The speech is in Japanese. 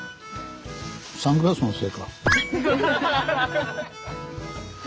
サングラスのせいか。